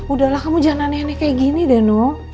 udahlah kamu jangan aneh aneh kayak gini deh no